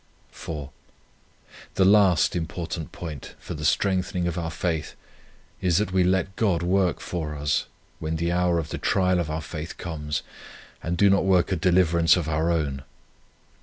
4, The last important point for the strengthening of our faith is, that we let God work for us, when the hour of the trial of our faith comes, and do not work a deliverance of our own.